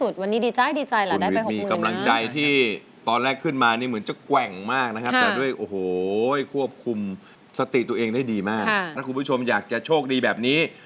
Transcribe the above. ถ้าคุณผู้ชมอยากจะโชคดีแบบนี้